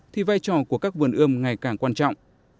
thì vai trò của các vườn ươm ngày càng quan trọng